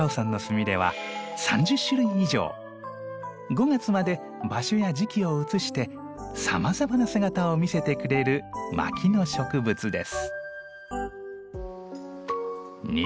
５月まで場所や時期を移してさまざまな姿を見せてくれる牧野植物です。